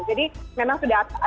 jadi memang sudah ada perubahan